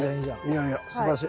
いやいやすばらしい。